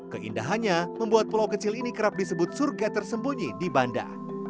keindahannya membuat pulau kecil ini kerap disebut surga tersembunyi di banda